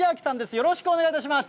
よろしくお願いします。